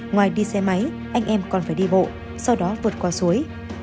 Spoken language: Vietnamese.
ngoài đi xe máy anh em còn phải đi bộ sau đó vượt qua suối